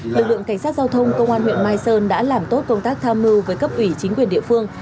lực lượng cảnh sát giao thông công an huyện mai sơn đã làm tốt công tác tham mưu với cấp ủy chính quyền địa phương